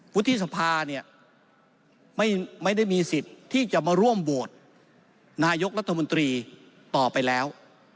วุฒิสภาเนี่ยไม่ได้มีสิทธิ์ที่จะมาร่วมโหวตนายกรัฐมนตรีต่อไปแล้ว